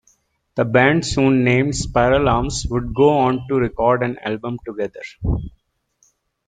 The band, soon named Spiralarms, would go on to record an album together.